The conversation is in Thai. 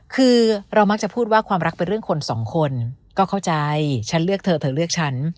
คือเรามักจะพูดว่าความรักเป็นเรื่องคนสองคนก็เข้าใจฉันเลือกเธอเธอเลือกฉัน